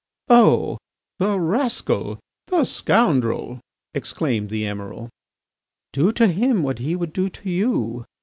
"Oh, the rascal, the scoundrel," exclaimed the Emiral. "Do to him what he would do to you.